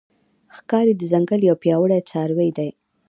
ښکاري د ځنګل یو پیاوړی څاروی دی.